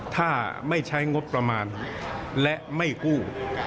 ถ้าไม่ใช้งบประมาณและไม่กู้